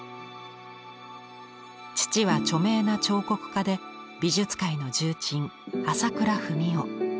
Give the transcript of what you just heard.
父は著名な彫刻家で美術界の重鎮朝倉文夫。